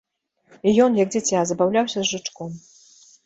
І ён, як дзіця, забаўляўся з жучком.